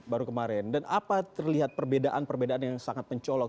baru kemarin dan apa terlihat perbedaan perbedaan yang sangat mencolok